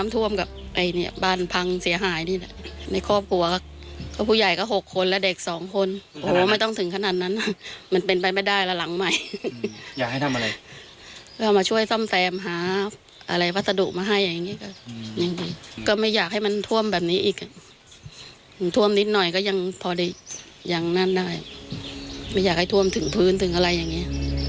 ถึงพื้นถึงอะไรอย่างนี้